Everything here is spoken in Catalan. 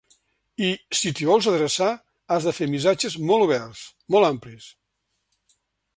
I, si t’hi vols adreçar, has de fer missatges molt oberts, molt amplis.